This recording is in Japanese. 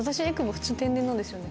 普通に天然なんですよね。